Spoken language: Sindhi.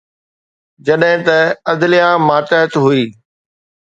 جڏهن ته عدليه ماتحت هئي.